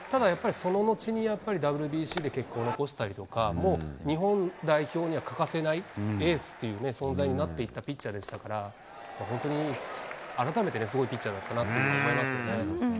その後にＷＢＣで結果を残したり日本代表に欠かせないエースで存在になっていったピッチャーでしたから本当に改めてすごいピッチャーだったなと思います。